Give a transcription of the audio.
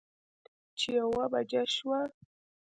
چې يوه بجه شوه